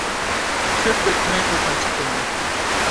— كۆپ ئۆتمەي ئۇ قايتىپ كەلدى.